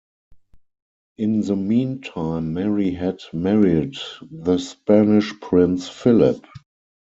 In the meantime Mary had married the Spanish prince Philip.